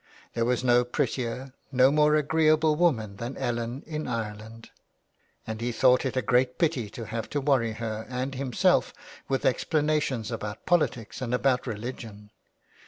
There was no prettier, no more agreeable woman than Ellen in Ireland, and 348 THE WILD GOOSE. he thought it a great pity to have to worry her and himself with explanations about politics and about religion.